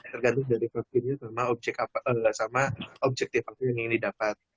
tergantung dari vaksinnya sama objektif vaksin yang ingin didapat